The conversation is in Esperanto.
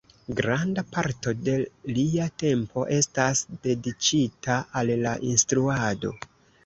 Granda parto de lia tempo estas dediĉita al la instruado.